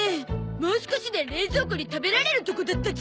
もう少しで冷蔵庫に食べられるとこだったゾ！